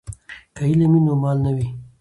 که علم وي نو مال نه وي.